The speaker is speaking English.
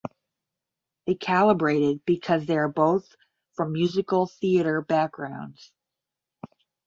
They collaborated because they are both from musical theatre backgrounds.